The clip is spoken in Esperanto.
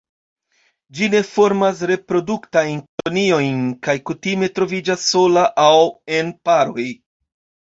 Ĝi ne formas reproduktajn koloniojn, kaj kutime troviĝas sola aŭ en paroj.